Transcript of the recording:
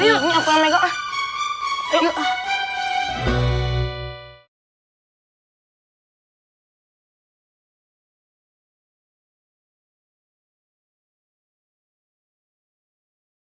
ini aku yang megang